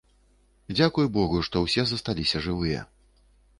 Дзякуй богу, што ўсё засталіся жывыя.